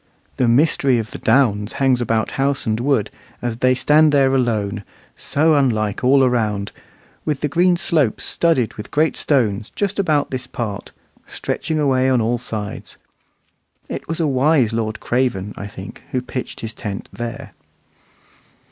The mystery of the downs hangs about house and wood, as they stand there alone, so unlike all around, with the green slopes studded with great stones just about this part, stretching away on all sides. It was a wise Lord Craven, I think, who pitched his tent there.